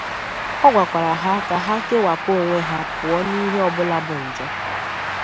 O gwakwara ha ka ha kewàpụ onwe ha pụọ n'ihe ọbụla bụ njọ